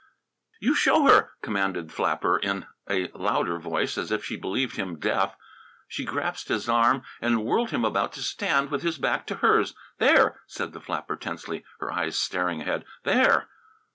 "You show her!" commanded flapper, in a louder voice, as if she believed him deaf. She grasped his arm and whirled him about to stand with his back to hers. "There!" said the flapper tensely, her eyes staring ahead. "There!"